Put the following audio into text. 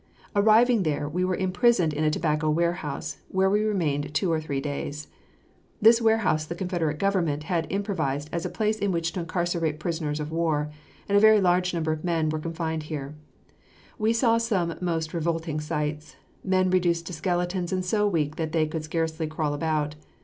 Arriving there, we were imprisoned in a tobacco warehouse, where we remained two or three days. This warehouse the Confederate government had improvised as a place in which to incarcerate prisoners of war, and a very large number of men were confined here. We saw some most revolting sights, men reduced to skeletons and so weak that they could scarcely crawl about.